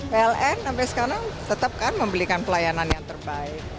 pln sampai sekarang tetap kan memberikan pelayanan yang terbaik